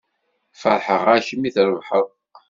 Feṛḥeɣ-ak mi trebḥeḍ.